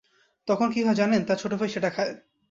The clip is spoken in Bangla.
তখন কী হয় জানেন, তাঁর ছোটভাই সেটা খায়।